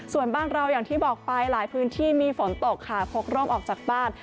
ส่วนบ้านเราอย่างที่บอกไปหลายพื้นที่มีฝนตกค่ะพกร่มออกจากบ้าน